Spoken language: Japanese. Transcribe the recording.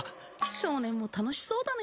少年も楽しそうだね